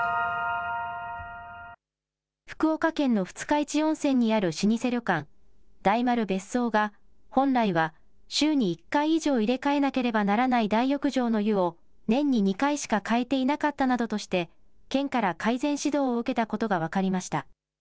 福岡県の二日市温泉にある老舗旅館、大丸別荘が本来は週に１回以上入れ替えなければならない大浴場の湯を年に２回しかかえていなかったなどとして県から改善指導を受けたことが分かりました。